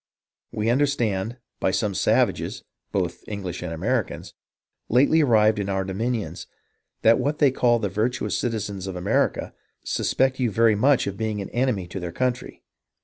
We understand, by some savages, both English and Americans, lately arrived in our dominions, that what they call the virtuous citizens of America, suspect you very much of being an enemy to their country.